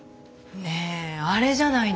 ねえあれじゃないの？